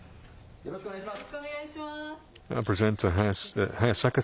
よろしくお願いします。